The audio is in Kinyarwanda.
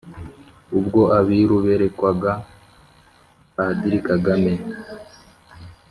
ubwo abiru berekwaga Padiri Kagame